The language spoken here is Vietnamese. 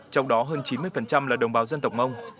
trong đó hơn chín mươi là đồng bào dân tộc mông